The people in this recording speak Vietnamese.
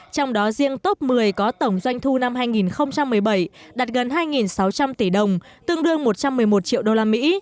trong đó riêng top một mươi có tổng doanh thu năm hai nghìn một mươi bảy đạt gần hai sáu trăm linh tỷ đồng tương đương một trăm một mươi một triệu đô la mỹ